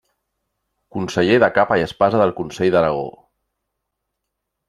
Conseller de capa i espasa del Consell d’Aragó.